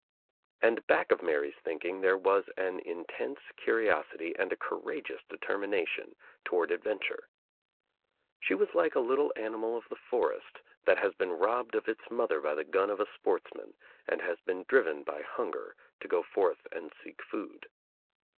And back of Mary's thinking there was an intense curiosity and a courageous determination toward ad venture. She was like a little animal of the forest that has been robbed of its motl^er by the gun of a sportsman and has been driven by hunger to go forth and seek food.